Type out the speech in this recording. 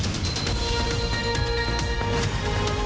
มีความมั่นใจมันมีอยู่แล้วนะครับ